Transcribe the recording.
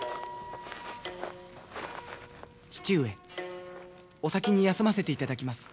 父上お先に休ませていただきます。